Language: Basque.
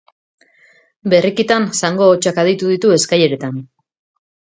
Berrikitan zango hotsak aditu ditu eskaileretan.